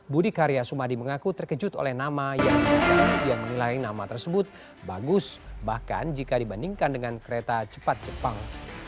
budi karya sumadi mengaku terkejut oleh nama yang menilai nama tersebut bagus bahkan jika dibandingkan dengan kereta cepat jepang